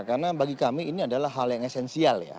karena bagi kami ini adalah hal yang esensial ya